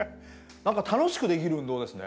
何か楽しくできる運動ですね。